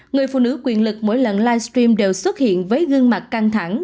người phụ nữ quyền lực mỗi lần livestream đều xuất hiện với gương mặt căng thẳng